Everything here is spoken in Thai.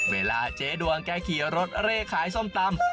เวลาเจ๊ดวงแกขี่รถเร่ขายส้มตำ